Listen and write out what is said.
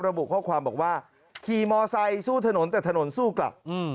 ระบุข้อความบอกว่าขี่มอไซค์สู้ถนนแต่ถนนสู้กลับ